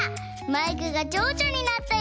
マイクがちょうちょになったよ！